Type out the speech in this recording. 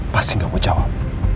pasti gak mau jawab